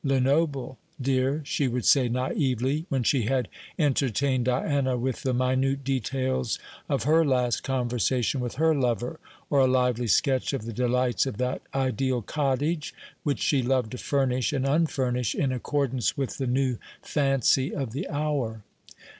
Lenoble, dear," she would say naïvely, when she had entertained Diana with the minute details of her last conversation with her lover, or a lively sketch of the delights of that ideal cottage which she loved to furnish and unfurnish in accordance with the new fancy of the hour.